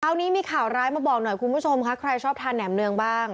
คราวนี้มีข่าวร้ายมาบอกหน่อยคุณผู้ชมค่ะใครชอบทานแหมเนืองบ้าง